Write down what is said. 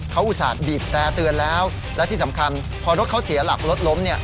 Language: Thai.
เขาอุตส่าห์บีบแตร่เตือนแล้วและที่สำคัญพอรถเขาเสียหลักรถล้มเนี่ย